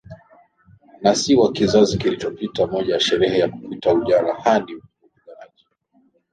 na si wa kizazi kilichopita Moja ya sherehe ya kupita ujana hadi upiganaji ni